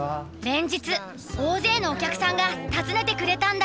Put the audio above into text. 連日大勢のお客さんが訪ねてくれたんだ。